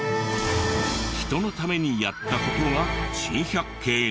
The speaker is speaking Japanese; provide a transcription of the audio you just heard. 人のためにやった事が珍百景に。